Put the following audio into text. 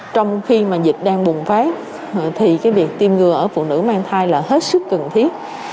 trong khi mà dịch đang bùng phát thì cái việc tiêm ngừa ở phụ nữ mang thai là hết sức cần thiết